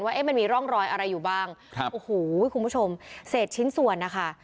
เอ๊ะมันมีร่องรอยอะไรอยู่บ้างครับโอ้โหคุณผู้ชมเศษชิ้นส่วนนะคะ